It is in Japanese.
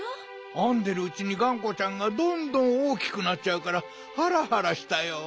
あんでるうちにがんこちゃんがどんどんおおきくなっちゃうからハラハラしたよ。